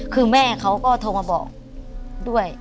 คือแม่เขาก็โทรมาบอกด้วย